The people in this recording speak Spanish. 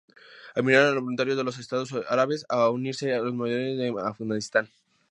Animaron a voluntarios de los estados árabes a unirse a los muyahidines en Afganistán.